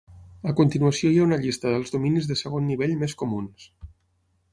A continuació hi ha una llista dels dominis de segon nivell més comuns.